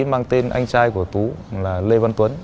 mang tên anh trai của tú là lê văn tuấn